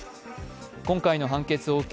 今回の判決を受け